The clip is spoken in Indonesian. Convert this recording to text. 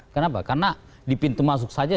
kenapa karena di pintu masuk saja